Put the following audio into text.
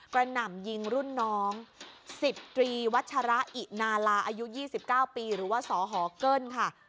หน่ำยิงรุ่นน้อง๑๐ตรีวัชระอินาลาอายุ๒๙ปีหรือว่าสหเกิ้ลค่ะ